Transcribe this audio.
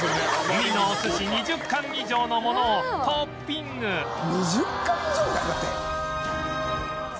ウニのお寿司２０貫以上のものをトッピング「２０貫以上だよだって」